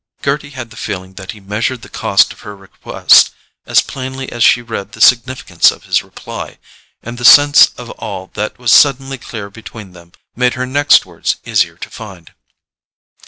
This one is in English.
Gerty had the feeling that he measured the cost of her request as plainly as she read the significance of his reply; and the sense of all that was suddenly clear between them made her next words easier to find.